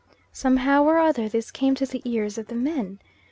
Somehow or other, this came to the ears of the men.